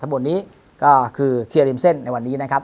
บนนี้ก็คือเคลียร์ริมเส้นในวันนี้นะครับ